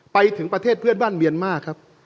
ไปถึงประเทศเพื่อนบ้านเมียนมาร์ครับ